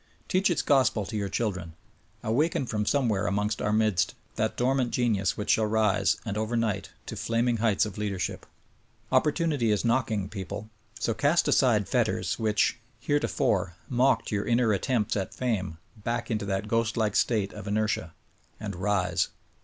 Teach its gospel to your children. Awaken from somewhere amongst our midst that dormant genius which shall arise, and over night, to flaming heights of leadership. Opportunity is knocking, people, so cast aside fetters which, heretofore, mocked your inner attempts at fame back into that ghost like state of inertia — and rise!